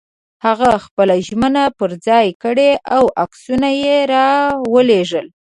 هغه خپله ژمنه پر ځای کړه او عکسونه یې را ولېږل.